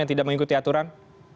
yang tidak mengikuti aturan